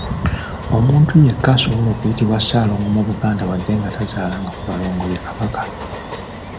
Omuntu yekka asobola okuyitibwa ssaalongo mu Buganda wadde nga tazaalanga ku balongo ye Kabaka.